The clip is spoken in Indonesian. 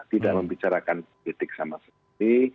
tidak membicarakan kritik sama sekali